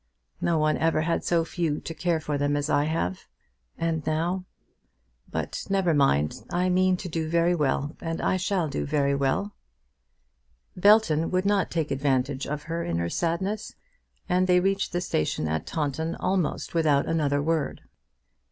No one ever had so few to care for them as I have. And now . But never mind; I mean to do very well, and I shall do very well." Belton would not take advantage of her in her sadness, and they reached the station at Taunton almost without another word.